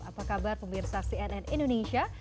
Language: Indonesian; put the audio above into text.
apa kabar pemirsa cnn indonesia